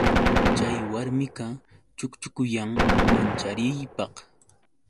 Chay warmiqa chukchukuyan manchariypaq.